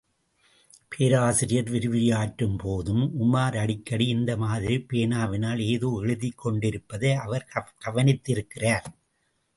பேராசிரியர் விரிவுரையாற்றும் போதும் உமார் அடிக்கடி இந்த மாதிரிப் பேனாவினால் ஏதோ எழுதிக் கொண்டிருப்பதை அவர் கவனித்திருக்கிறார்.